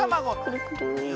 くるくる。